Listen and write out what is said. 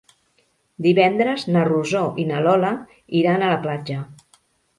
Divendres na Rosó i na Lola iran a la platja.